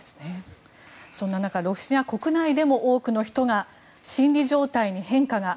そんな中ロシア国内でも多くの人が心理状態に変化が。